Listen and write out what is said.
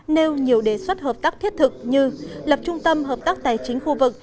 nêu nhiều đề xuất hợp tác thiết thực như lập trung tâm hợp tác tài chính khu vực